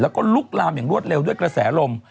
แล้วก็ลุกลามอย่างรวดเร็วด้วยกระแสลม